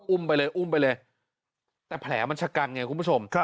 อุ้มไปเลยอุ้มไปเลยแต่แผลมันชะกันไงคุณผู้ชม